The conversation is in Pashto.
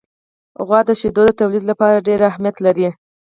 غوا د شیدو د تولید لپاره ډېر اهمیت لري.